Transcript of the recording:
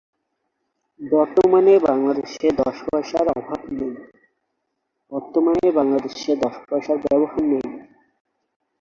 বর্তমানে বাংলাদেশে দশ পয়সার ব্যবহার নেই।